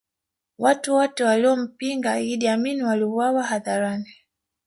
watu wote waliompinga iddi amini waliuliwa hadharani